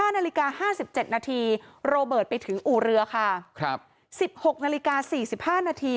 ๕นาฬิกา๕๗นาทีโรเบิร์ตไปถึงอู่เรือค่ะ๑๖นาฬิกา๔๕นาที